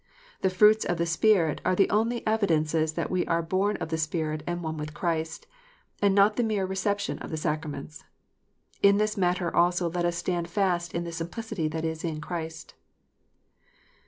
The fruits of the Spirit are the only evidences that we are born of the Spirit and one with Christ, and not the mere reception of the sacraments. In this matter also let us stand fast in the "simplicity that is in Christ."